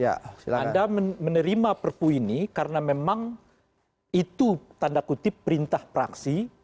anda menerima perpu ini karena memang itu tanda kutip perintah praksi